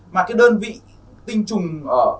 mà cái đơn vị tinh trùng ở